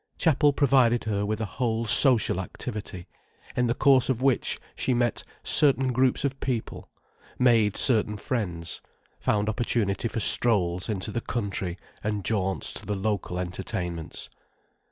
Chapel provided her with a whole social activity, in the course of which she met certain groups of people, made certain friends, found opportunity for strolls into the country and jaunts to the local entertainments.